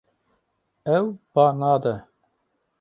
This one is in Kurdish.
Ew ba nade.